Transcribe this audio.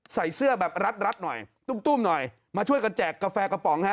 ใส่เสื้อแบบรัดหน่อยตุ้มหน่อยมาช่วยกันแจกกาแฟกระป๋องฮะ